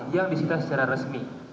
yang disita secara resmi